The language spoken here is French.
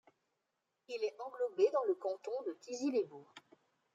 Il est englobé dans le canton de Thizy-les-Bourgs.